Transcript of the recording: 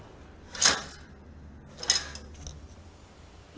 nah setelah ini nanti kerang akan diperbaiki